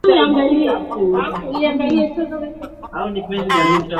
inaaminika kuwa ni moja ya njia